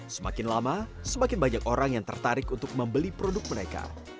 semakin lama semakin banyak orang yang tertarik untuk membeli produk mereka